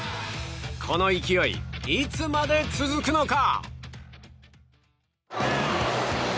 この勢い、いつまで続くのか。